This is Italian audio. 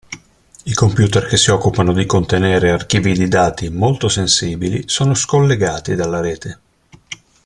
I computer che si occupano di contenere archivi di dati molto sensibili sono scollegati dalla rete.